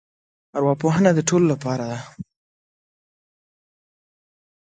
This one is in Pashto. ارواپوهنه د ټولو لپاره دی.